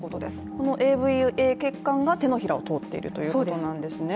このＡＶＡ血管が手のひらを通っているということなんですね。